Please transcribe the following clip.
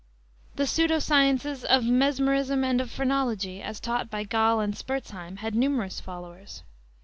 The pseudo sciences of mesmerism and of phrenology, as taught by Gall and Spurzheim, had numerous followers.